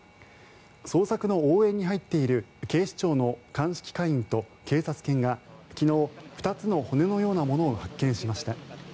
捜索の応援に入っている警視庁の鑑識課員と警察犬が昨日、２つの骨のようなものを発見しました。